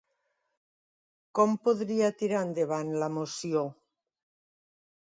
Com podria tirar endavant la moció?